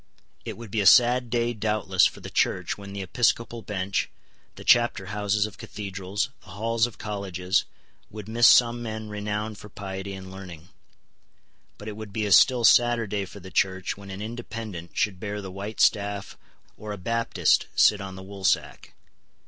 It would be a sad day doubtless for the Church when the episcopal bench, the chapter houses of cathedrals, the halls of colleges, would miss some men renowned for piety and learning. But it would be a still sadder day for the Church when an Independent should bear the white staff or a Baptist sit on the woolsack.